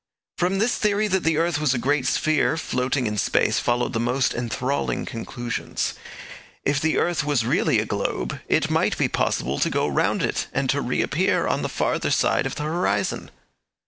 From this theory that the earth was a great sphere floating in space followed the most enthralling conclusions. If the earth was really a globe, it might be possible to go round it and to reappear on the farther side of the horizon.